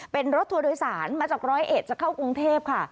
เป็นรถทัวร์โดยสารมาจากร้อยเอ็ดจะเข้ากรุงเทพค่ะ